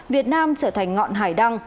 việt nam trở thành ngọn hải đăng